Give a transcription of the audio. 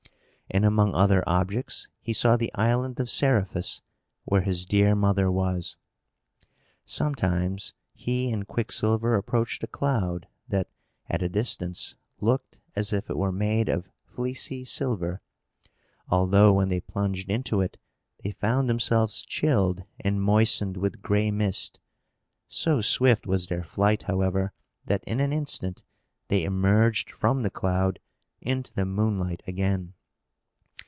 And, among other objects, he saw the island of Seriphus, where his dear mother was. Sometimes he and Quicksilver approached a cloud, that, at a distance, looked as if it were made of fleecy silver; although, when they plunged into it, they found themselves chilled and moistened with gray mist. So swift was their flight, however, that, in an instant, they emerged from the cloud into the moonlight again.